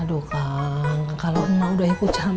aduh kang kalau emak udah ikut campur